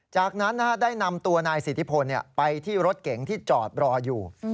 จากนั้นได้นำตัวนายสิทธิพลไปที่รถเก๋งที่จอดรออยู่